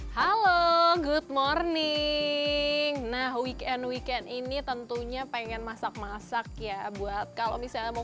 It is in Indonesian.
halo good morning nah weekend weekend ini tentunya pengen masak masak ya buat kalau misalnya mau